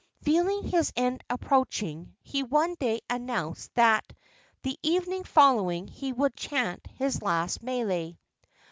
Feeling his end approaching, he one day announced that the evening following he would chant his last mele.